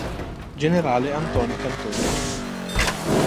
Generale Antonio Cantore